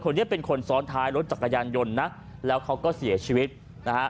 คนนี้เป็นคนซ้อนท้ายรถจักรยานยนต์นะแล้วเขาก็เสียชีวิตนะฮะ